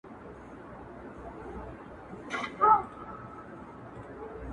د پښتو شعر د ارتقا په تاریخ کې